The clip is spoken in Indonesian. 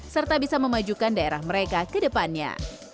serta bisa memajukan daerah mereka ke depannya